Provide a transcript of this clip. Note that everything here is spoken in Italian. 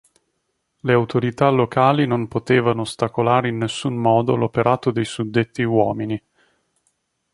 Le autorità locali non potevano ostacolare in nessun modo l’operato dei suddetti uomini.